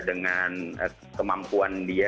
dengan kemampuan dia